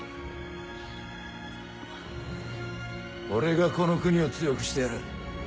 俺がこの国を強くしてやる。